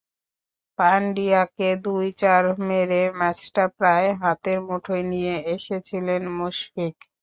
পান্ডিয়াকে দুই চার মেরে ম্যাচটা প্রায় হাতের মুঠোয় নিয়ে এসেছিলেন মুশফিক।